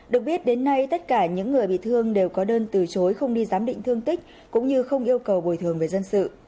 được biết đến nay tất cả những người bị thương đều có đơn từ chối không đi giám định thương tích cũng như không yêu cầu bồi thường về dân sự